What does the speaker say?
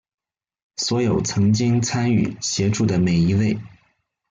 所有曾經參與、協助的每一位